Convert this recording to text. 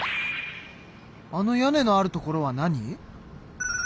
あの屋根のあるところは何？